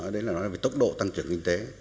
đó là tốc độ tăng trưởng kinh tế